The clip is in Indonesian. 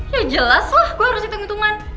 ya jelas lah gue harus hitung hitungan